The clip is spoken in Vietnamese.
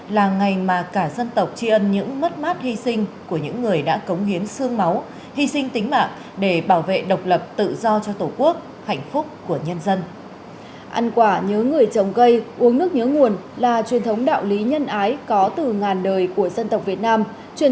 là ngày mà cả dân tộc tri ân những mất mát hy sinh của những người đã cống hiến sương máu hy sinh tính mạng để bảo vệ độc lập tự do cho tổ quốc hạnh phúc của nhân dân